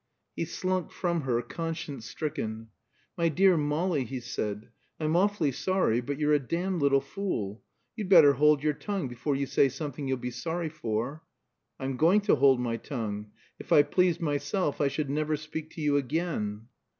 He slunk from her, conscience stricken. "My dear Molly," he said, "I'm awfully sorry, but you're a damned little fool. You'd better hold your tongue before you say something you'll be sorry for." "I'm going to hold my tongue. If I pleased myself I should never speak to you again."